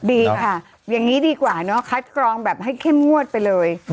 ดีค่ะอย่างนี้ดีกว่าเนอะคัดกรองแบบให้เข้มงวดไปเลย